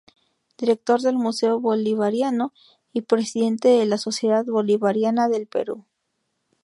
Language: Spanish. Director del Museo Bolivariano y Presidente de la Sociedad Bolivariana del Perú.